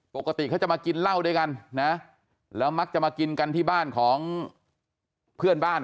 ปกติเขาจะมากินเหล้าด้วยกันนะแล้วมักจะมากินกันที่บ้านของเพื่อนบ้าน